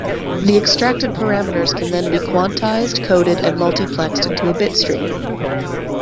The extracted parameters can then be quantized, coded and multiplexed into a bitstream.